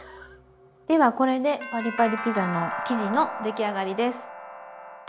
ではこれでパリパリピザの生地の出来上がりです。